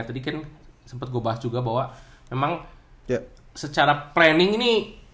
tadi kan sempat gue bahas juga bahwa memang secara planning ini